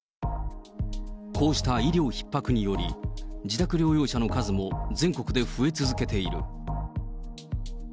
こうした医療ひっ迫により、自宅療養者の数も全国で増え続けている。